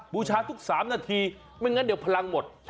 บูชาทุก๓นาทีไม่งั้นเดี๋ยวพลังหมด